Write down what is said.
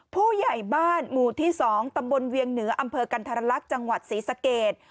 ผู้ใหญ่บ้านหมู่ที่๒ตำบลเวียงเหนืออำเภอกันธรรลักษณ์จังหวัดศรีสะเกด